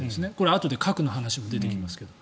あとで核の話も出てきますが。